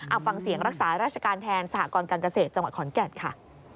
เอาฟังเสียงรักษาราชการแทนสหกรการเกษตรจังหวัดขอนแก่นค่ะ